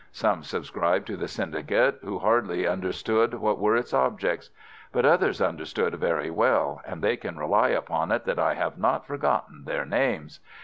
Some subscribed to the syndicate who hardly understood what were its objects. But others understood very well, and they can rely upon it that I have not forgotten their names.